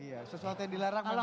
iya sesuatu yang dilarang memang